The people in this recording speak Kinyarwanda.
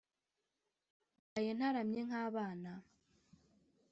ndaye ntaramye nk'abana